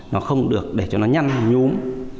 nó không được để cho nó nhăn nhúm